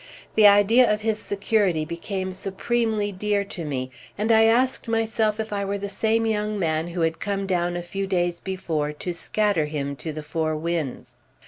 The idea of his security became supremely dear to me, and I asked myself if I were the same young man who had come down a few days before to scatter him to the four winds.